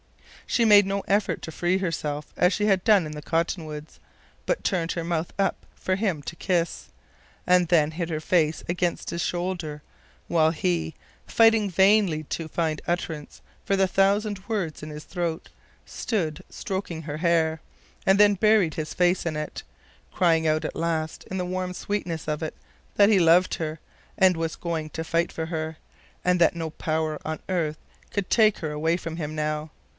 She made no effort to free herself as she had done in the cottonwoods, but turned her mouth up for him to kiss, and then hid her face against his shoulder—while he, fighting vainly to find utterance for the thousand words in his throat, stood stroking her hair, and then buried his face in it, crying out at last in the warm sweetness of it that he loved her, and was going to fight for her, and that no power on earth could take her away from him now.